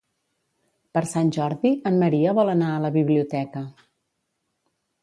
Per Sant Jordi en Maria vol anar a la biblioteca.